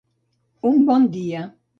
Un bon dia.